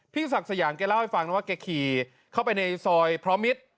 ศักดิ์สยามแกเล่าให้ฟังนะว่าแกขี่เข้าไปในซอยพร้อมมิตร